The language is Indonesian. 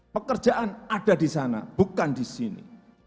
pekerjaan ada di sana bukan di sini